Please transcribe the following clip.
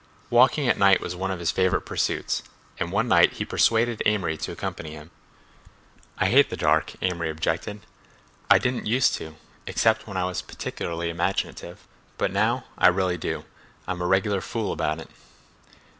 Walking at night was one of his favorite pursuits, and one night he persuaded Amory to accompany him. "I hate the dark," Amory objected. "I didn't use to—except when I was particularly imaginative, but now, I really do—I'm a regular fool about it."